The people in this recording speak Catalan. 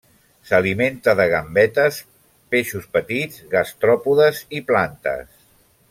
S'alimenta de gambetes, peixos petits, gastròpodes i plantes.